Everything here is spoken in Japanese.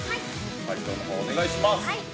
解答のほう、お願いします。